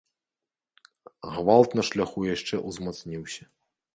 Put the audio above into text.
Гвалт на шляху яшчэ ўзмацніўся.